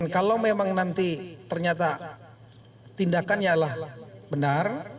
kalau memang nanti ternyata tindakan yalah benar